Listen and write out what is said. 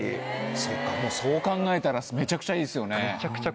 そっかそう考えたらめちゃくちゃいいですよね。